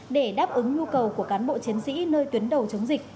để đáp ứng nhu cầu của cán bộ chiến sĩ nơi tuyến đầu chống dịch